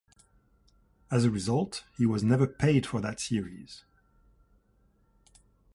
As a result, he was never paid for that series.